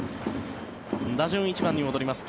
打順、１番に戻ります。